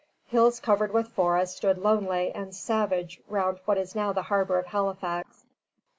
Hills covered with forests stood lonely and savage round what is now the harbor of Halifax.